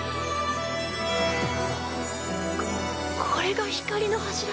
ここれが光の柱。